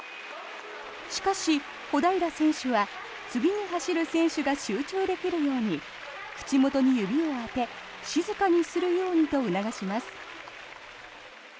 しかし、小平選手は次に走る選手が集中できるように口元に指を当て静かにするようにと促します。